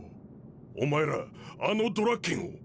お前らあのドラッケンを。